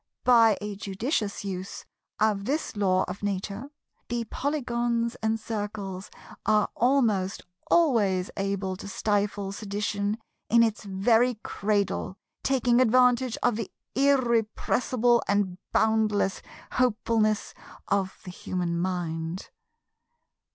By a judicious use of this Law of Nature, the Polygons and Circles are almost always able to stifle sedition in its very cradle, taking advantage of the irrepressible and boundless hopefulness of the human mind.